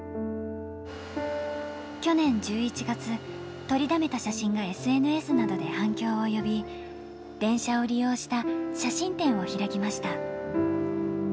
去年１１月、撮りだめた写真でＳＮＳなどで反響を呼び、電車を利用した写真展を開きました。